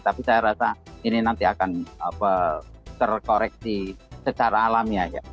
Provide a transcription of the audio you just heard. tapi saya rasa ini nanti akan terkoreksi secara alami aja